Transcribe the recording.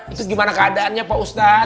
itu gimana keadaannya pak ustadz